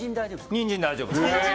ニンジン、大丈夫です。